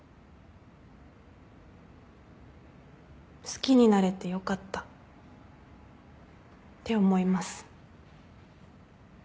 好きになれてよかったって思います。